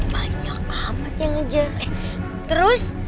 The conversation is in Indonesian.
banyak amat yang ngejer eh terus